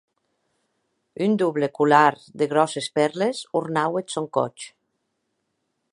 Un doble colar de gròsses pèrles ornaue eth sòn còth.